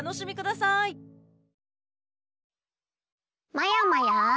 まやまや！